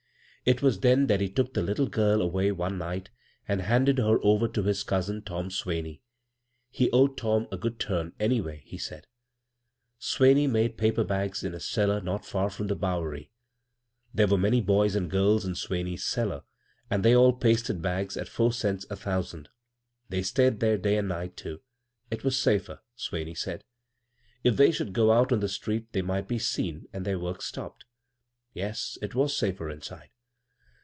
It was then that he took the Htde girl away one night and handed her over to his cousin, Tom Swan^. He owed Tom a good turn, anyway, he said. Swaney made paper bags in a cellar not far from the Bowery. There were many tx>ys and girls in Swaney's cellar, and they all pasted bags — at four cents a thousand. They stayed there day and night, too — ^it was safer, Swaney said. If they should go out on the street they might be seen and thdr vitxk stopped. Yes, it was safer inside.